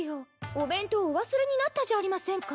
お弁当お忘れになったじゃありませんか。